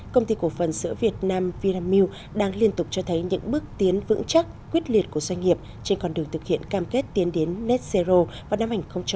công ty cổ phần sữa việt nam vinamilk đang liên tục cho thấy những bước tiến vững chắc quyết liệt của doanh nghiệp trên con đường thực hiện cam kết tiến đến net zero vào năm hai nghìn ba mươi